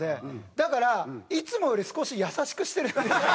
だからいつもより少し優しくしてるんですよ。